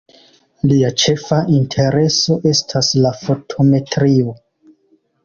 Lia ĉefa intereso estas la fotometrio.